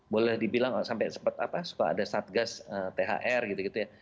boleh dibilang sampai sempat apa suka ada satgas thr gitu gitu ya